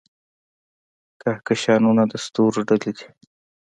کهکشانونه د ستورو ډلې دي.